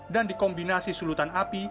dan dikombinasi sulutan api